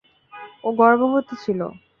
ও গর্ভবতী ছিল!